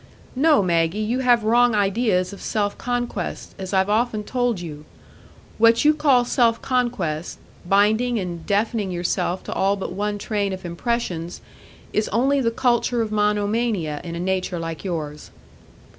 "No, Maggie, you have wrong ideas of self conquest, as I've often told you. What you call self conquest—blinding and deafening yourself to all but one train of impressions—is only the culture of monomania in a nature like yours."